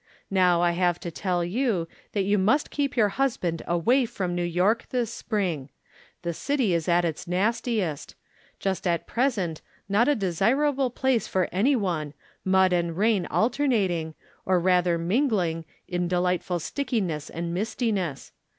Now I have to tell you that you must keep your husband away from New York this spring. The city is at its nas tiest. Just at present not a desirable place for any one, mud and rain alternating, or rather mingling, in delightful stickiness and mistiness.